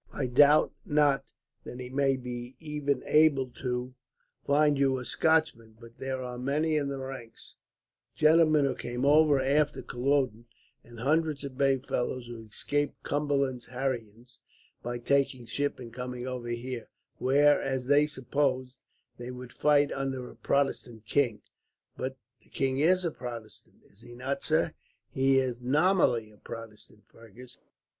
I doubt not that he may be even able to find you a Scotchman, for there are many in the ranks gentlemen who came over after Culloden, and hundreds of brave fellows who escaped Cumberland's harryings by taking ship and coming over here, where, as they supposed, they would fight under a Protestant king." "But the king is a Protestant, is he not, sir?" "He is nominally a Protestant, Fergus.